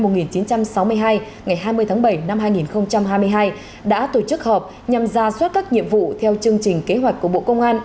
bộ trưởng tô lâm đã tổ chức hợp nhằm ra suốt các nhiệm vụ theo chương trình kế hoạch của bộ công an